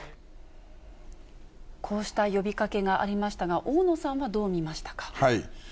こうした呼びかけがありましたが、大野さんはどう見ましたか。